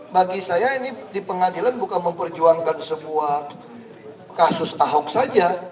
bagi saya ini di pengadilan bukan memperjuangkan sebuah kasus ahok saja